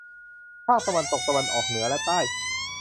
ภาคตะวันตก ตะวันออก เหนือ และใต้